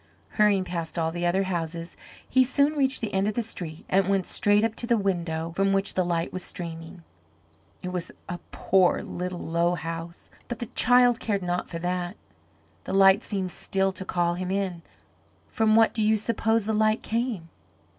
Hurrying past all the other houses, he soon reached the end of the street and went straight up to the window from which the light was streaming. It was a poor, little, low house, but the child cared not for that. The light seemed still to call him in. From what do you suppose the light came?